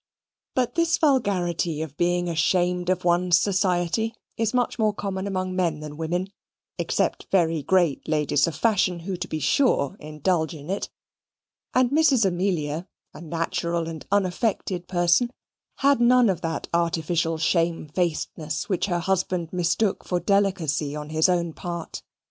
But this vulgarity of being ashamed of one's society is much more common among men than women (except very great ladies of fashion, who, to be sure, indulge in it); and Mrs. Amelia, a natural and unaffected person, had none of that artificial shamefacedness which her husband mistook for delicacy on his own part.